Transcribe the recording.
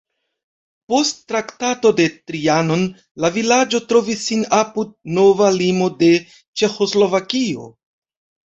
Post Traktato de Trianon la vilaĝo trovis sin apud nova limo de Ĉeĥoslovakio.